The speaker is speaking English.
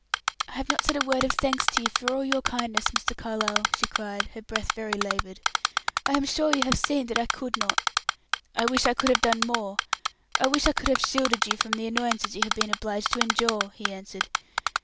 "I have not said a word of thanks to you for all your kindness, Mr. Carlyle," she cried, her breath very labored. "I am sure you have seen that I could not." "I wish I could have done more; I wish I could have shielded you from the annoyances you have been obliged to endure!" he answered.